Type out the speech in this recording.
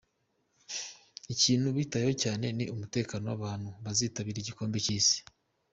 Ikintu bitayeho cyane ni umutekano w’abantu bazitabira igikombe cy’Isi.